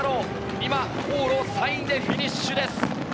今、往路を３位でフィニッシュです。